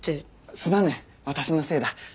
すまぬ私のせいだ。